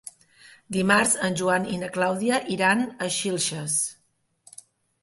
Dimarts en Joan i na Clàudia iran a Xilxes.